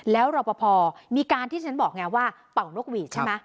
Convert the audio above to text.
แล้วรอปภมีการที่ฉันบอกไงว่าเป่านกหวีดใช่ไหม